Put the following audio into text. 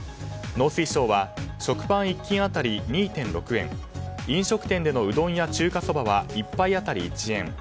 農水省は食パン１斤当たり２．６円飲食店でのうどんや中華そばは１杯当たり１円